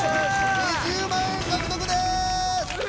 ２０万円獲得です！